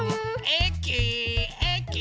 えきえき。